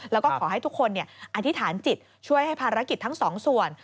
แล้วก็ขอให้ทุกคนอธิษฐานจิตช่วยให้ภารกิจทั้งสองส่วน